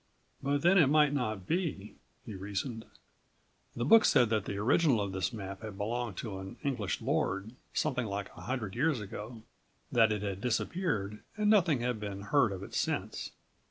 But then it might not be, he reasoned. The book said that the original of this map had belonged to an English lord something like a hundred years ago; that it had disappeared and nothing had been heard of it since.